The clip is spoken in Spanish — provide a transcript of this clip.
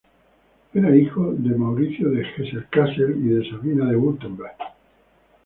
Era hijo de Mauricio de Hesse-Kassel y de Sabina de Wurtemberg.